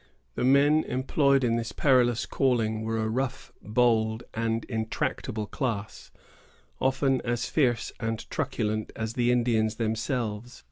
The men employed in this perilous calling were a rough, bold, and intractable class, often as fierce and truculent as the Indians themselves.